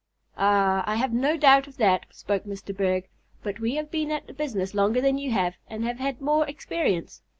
"Ah, I have no doubt of that," spoke Mr. Berg, "but we have been at the business longer than you have, and have had more experience.